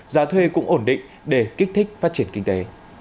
giá thuê cũng ổn định để kích thích phát triển kinh tế